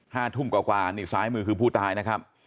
ห้าทุ่มกว่ากว่านี่ซ้ายมือคือผู้ตายนะครับ